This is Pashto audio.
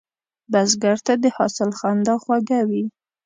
بزګر ته د حاصل خندا خوږه وي